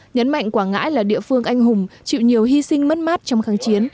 nhấn mạnh quảng ngãi là địa phương anh hùng chịu nhiều hy sinh mất mát trong kháng chiến